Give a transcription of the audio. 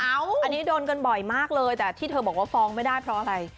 อันนี้โดนกันบ่อยมากเลยแต่ที่เธอบอกว่าฟ้องไม่ได้เพราะอะไร